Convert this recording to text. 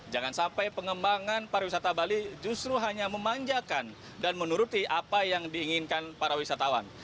jangan sampai pengembangan pariwisata bali justru hanya memanjakan dan menuruti apa yang diinginkan para wisatawan